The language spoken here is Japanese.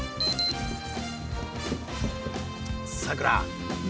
さくら